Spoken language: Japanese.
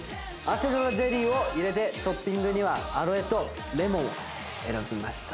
アセロラゼリーを入れてトッピングにはアロエとレモンを選びました。